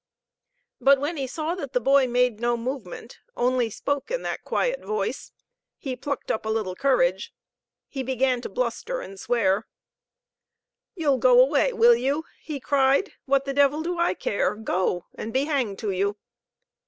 But when he saw that the boy made no movement, only spoke in that quiet voice, he plucked up a little courage. He began to bluster and swear. "You'll go away, will you?" he cried. "What the devil do I care? Go, and be hanged to you!"